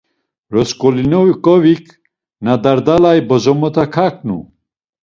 Rasǩolnikovik, na dardalay bozomota kaǩnu.